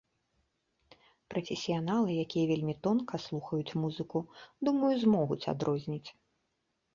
Прафесіяналы, якія вельмі тонка слухаюць музыку, думаю, змогуць адрозніць.